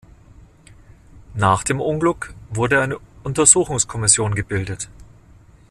Nach dem Unglück wurde eine Untersuchungskommission gebildet.